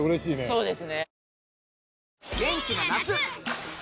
そうですね。